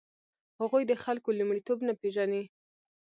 هغوی د خلکو لومړیتوب نه پېژني.